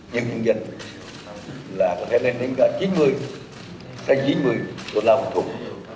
nhưng dân là có thể lên đến cả chín mươi chín mươi tổ lâm thuộc